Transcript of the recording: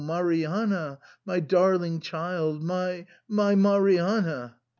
Marianna, my darling child — my — my Marianna."